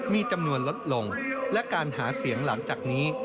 มีจำนวนลดลงและการหาเสียงหลังจากนี้